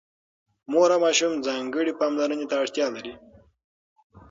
مور او ماشوم ځانګړې پاملرنې ته اړتيا لري.